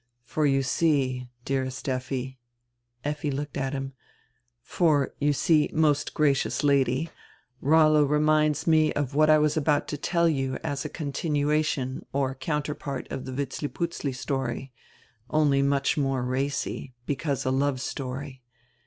For, you see, dearest Effi —" Effi looked at him, "For, you see, most gracious Lady, Rollo reminds me of what I was about to tell you as a continuation or counter part of die Vitzliputzli story, only much more racy, because a love story.